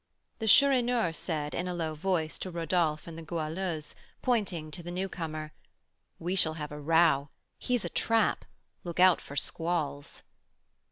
The Chourineur said, in a low voice, to Rodolph and the Goualeuse, pointing to the newcomer, "We shall have a row. He's a 'trap.' Look out for squalls."